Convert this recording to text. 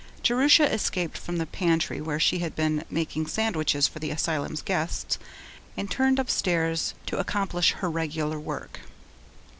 Jerusha escaped from the pantry where she had been making sandwiches for the asylum's guests, and turned upstairs to accomplish her regular work.